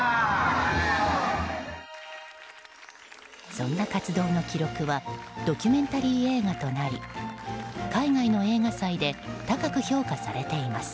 そんな活動の記録はドキュメンタリー映画となり海外の映画祭で高く評価されています。